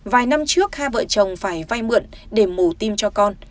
vài năm trước hai vợ chồng phải vay mượn để mổ tim cho con